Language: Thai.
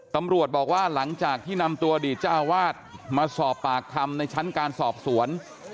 ตำรวจบอกว่าหลังจากที่นำตัวอดีตเจ้าวาดมาสอบปากคำในชั้นการสอบสวน